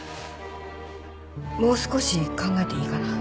もう少し考えていいかな？